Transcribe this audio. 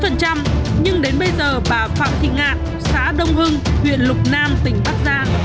nhưng đến bây giờ bà phạm thị ngạn xã đông hưng huyện lục nam tỉnh bắc giang